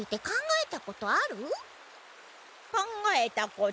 考えたことある！